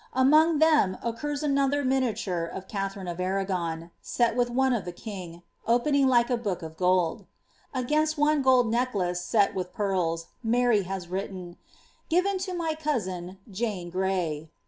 Anoog them occurs another miniature of Katharine of Arragon, set with oneui' the king, opening like a book of gold.* Against one gold necklirc. aet with pearls, Mary has written, ^ given to my cousin, Jane Gray.